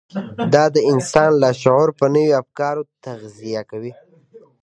دا د انسان لاشعور په نويو افکارو تغذيه کوي.